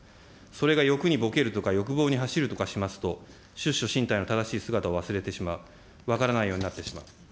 それが欲にぼけるとか、欲望に走るとかしますと、出処進退の正しい姿を忘れてしまう、分からないようになってしまう。